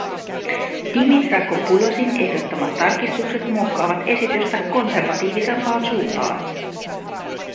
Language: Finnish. Dimitrakopoulosin ehdottamat tarkistukset muokkaavat esitystä konservatiivisempaan suuntaan.